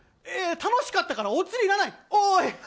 楽しかったからお釣りいらない。